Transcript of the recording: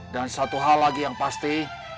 dan satu hal lagi yang pasti